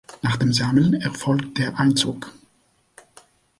Nach dem Sammeln erfolgt der Einzug.